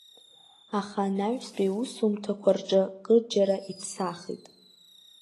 Аха анаҩстәи иусумҭақәа рҿы кырџьара иԥсахит.